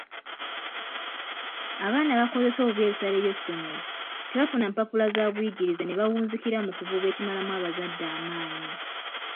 Abaana abakozesa obubi ebisale by'essomero, tebafuna mpapula za buyigirize ne bawunzikira mu kuvuba ekimalamu abazadde amaanyi.